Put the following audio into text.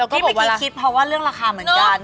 ที่เมื่อกี้คิดเพราะว่าเรื่องราคาเหมือนกัน